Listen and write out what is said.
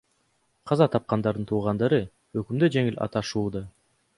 Каза тапкандардын туугандары өкүмдү жеңил деп аташууда.